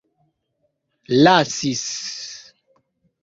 lasis